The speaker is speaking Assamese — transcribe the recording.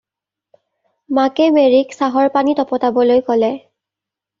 মাকে মেৰিক চাহৰ পানী তপতাবলৈ ক'লে।